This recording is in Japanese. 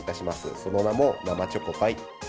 その名も生チョコパイ。